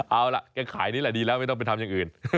เอาล่ะแกขายนี่แหละดีแล้วไม่ต้องไปทำอย่างอื่น